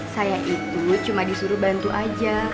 saya itu cuma disuruh bantu aja